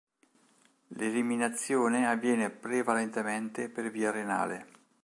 L'eliminazione avviene prevalentemente per via renale.